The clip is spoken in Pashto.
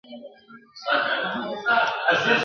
په الاهو راغلی خوبه خو چي نه تېرېدای !.